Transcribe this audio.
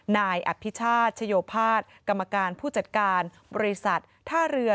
นายอภิชาติชโยภาษย์กรรมการผู้จัดการบริษัทท่าเรือ